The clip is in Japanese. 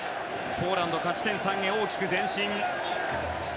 ポーランド勝ち点３へ大きく前進。